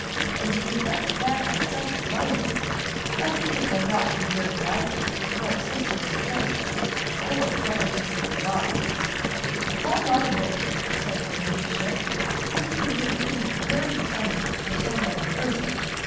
And to be kept back on such a motive! I think it would not be very likely to promote sisterly affection or delicacy of mind.' "'Upon my word,' said her Ladyship, 'you give your opinion very decidedly for so young a person.